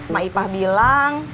mak ipah bilang